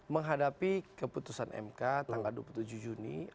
menghadapi keputusan mk tanggal dua puluh tujuh juni